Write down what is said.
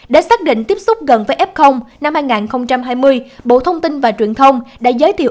để xác định tiếp xúc gần với f năm hai nghìn hai mươi bộ thông tin và truyền thông đã giới thiệu